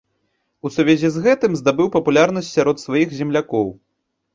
У сувязі з гэтым здабыў папулярнасць сярод сваіх землякоў.